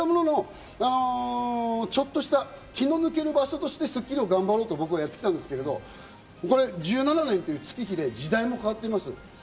そういったものの、ちょっとした気の抜ける場所といって頑張ろうと思ってやってきたんですけど、１７年の月日で時代も変わってます。